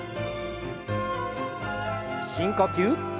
深呼吸。